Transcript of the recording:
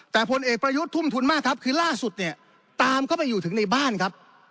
แต่ผลเอกประยุทธ์ทุ่มทุนมากครับคือล่าสุดเนี่ยตามเข้าไปอยู่ถึงในบ้านครับ